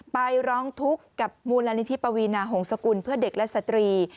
ไปร้องทุกข์กับมูลนิธิปวีนาหงษกุลเพื่อเด็กและสตรี